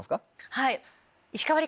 はい。